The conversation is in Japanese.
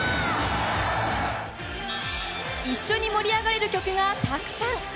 一緒に盛り上がれる曲がたくさん。